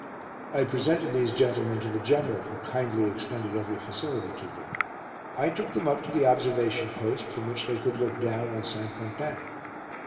I presented these gentlemen to the General, who kindly extended every facility to them. I took them up to the observation post from which they could look down on St. Quentin.